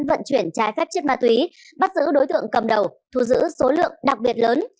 vận chuyển trái phép chất ma túy bắt giữ đối tượng cầm đầu thu giữ số lượng đặc biệt lớn